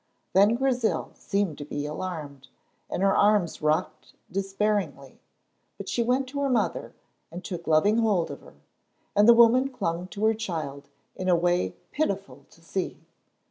Then Grizel seemed to be alarmed, and her arms rocked despairingly, but she went to her mother and took loving hold of her, and the woman clung to her child in a way pitiful to see.